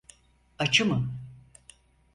Acı mı?